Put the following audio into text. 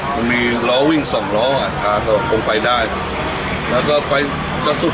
มันมีล้อวิ่งสองล้ออ่ะทางก็คงไปได้แล้วก็ไปก็สุด